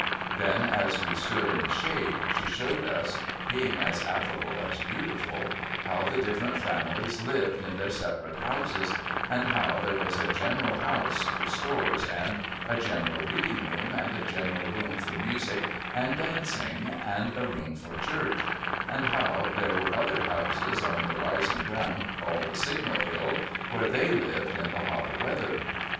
Then, as we stood in the shade, she showed us (being as affable as beautiful), how the different families lived in their separate houses, and how there was 148 I'KRILS OF CKRTAIN ENGLISH PRISONERS a general house for stores, and a general reading room, and a general room for music and dancing, and a room for Church ; and how lliere were other houses on the rising ground called the Signal Hill, where they lived in the hotter weather.